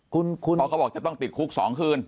เพราะเขาบอกจะต้องติดคุก๒คืน